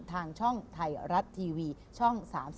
ทางช่องไทยรัฐทีวีช่อง๓๒